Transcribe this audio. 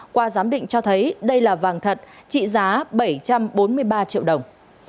qua giám định cho thấy đây là vàng thật trị giá bảy trăm bốn mươi ba triệu đồng